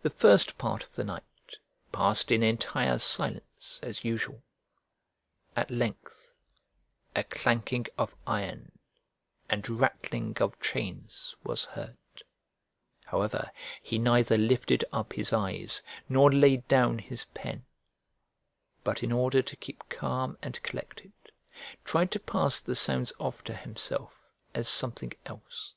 The first part of the night passed in entire silence, as usual; at length a clanking of iron and rattling of chains was heard: however, he neither lifted up his eyes nor laid down his pen, but in order to keep calm and collected tried to pass the sounds off to himself as something else.